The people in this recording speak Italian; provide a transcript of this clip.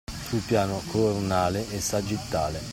Sul piano coronale e sagittale